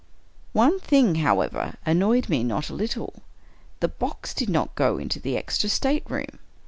One thing, however, annoyed me not a little. The box did not go into the extra stateroom.